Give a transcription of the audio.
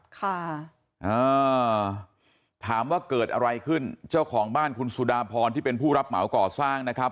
ค่ะอ่าถามว่าเกิดอะไรขึ้นเจ้าของบ้านคุณสุดาพรที่เป็นผู้รับเหมาก่อสร้างนะครับ